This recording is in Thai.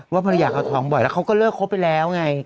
ภรรยาเขาท้องบ่อยแล้วเขาก็เลิกคบไปแล้วไง